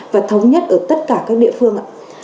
và thống nhất ở tất cả các địa phương